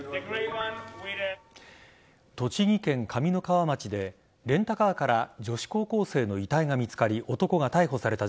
栃木県上三川町でレンタカーから女子高校生の遺体が見つかり男が逮捕された